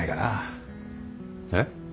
えっ？